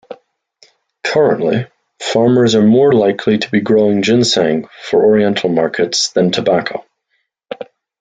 Currently, farmers are more likely to be growing ginseng for oriental markets than tobacco.